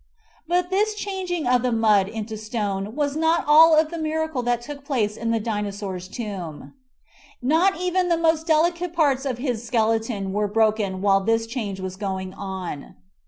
*' But this changing of the mud into stone was not all of the miracle that took place in the Dinosaur's tomb. Not even the most delicate parts of his skeleton were broken while this change was going on.